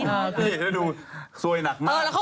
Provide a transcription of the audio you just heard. นี่ดูซวยหนักมาก